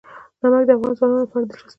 نمک د افغان ځوانانو لپاره دلچسپي لري.